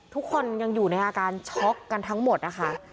ทุกคนยังอยู่ในอาการช็อกกันทั้งหมดนะคะ